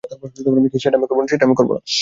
সেটা আমি করব না।